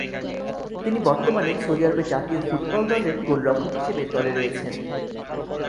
তিনি বর্তমানে Saudi Arab জাতীয় ফুটবল দল এর গোলরক্ষক হিসেবে দলে রয়েছেন।